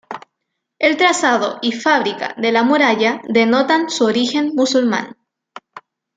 El trazado y fábrica de la muralla denotan su origen musulmán.